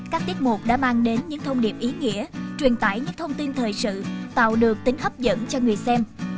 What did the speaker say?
các tiết mục đã mang đến những thông điệp ý nghĩa truyền tải những thông tin thời sự tạo được tính hấp dẫn cho người xem